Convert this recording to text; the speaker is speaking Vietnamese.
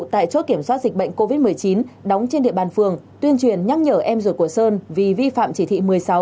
tại chốt kiểm soát dịch bệnh covid một mươi chín đóng trên địa bàn phường tuyên truyền nhắc nhở em ruột của sơn vì vi phạm chỉ thị một mươi sáu